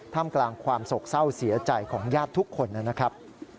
มกลางความโศกเศร้าเสียใจของญาติทุกคนนะครับ